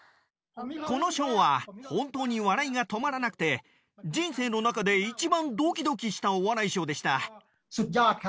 このショーは、本当に笑いが止まらなくて、人生の中で一番どきどきしたお笑いショーでした。